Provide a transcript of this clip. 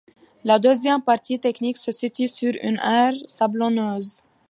La deuxième partie technique se situe sur une aire sablonneuse.